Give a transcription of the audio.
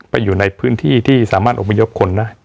อยู่ในพื้นที่ที่สามารถอบพยพคนนะ